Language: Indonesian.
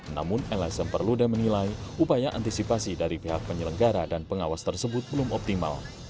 namun lsm perludem menilai upaya antisipasi dari pihak penyelenggara dan pengawas tersebut belum optimal